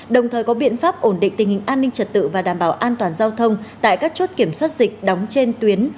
đồng thời có biện pháp ổn định tình hình an ninh trật tự và đảm bảo an toàn giao thông tại các chốt kiểm soát dịch đóng trên tuyến